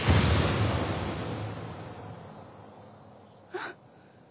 あっ。